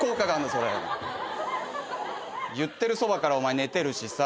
言ってるそばからお前寝てるしさ。